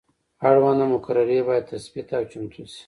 اړونده مقررې باید تثبیت او چمتو شي.